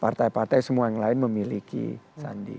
partai partai semua yang lain memiliki sandi